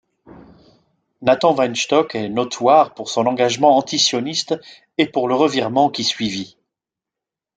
Nathan Weinstock est notoire pour son engagement antisioniste et pour le revirement qui suivit.